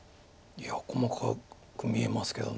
いや細かく見えますけど。